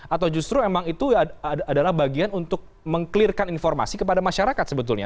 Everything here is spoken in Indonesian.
atau justru memang itu adalah bagian untuk meng clearkan informasi kepada masyarakat sebetulnya